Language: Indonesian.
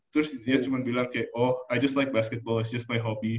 terus dia cuman bilang kayak oh i just like basketball it s just my hobby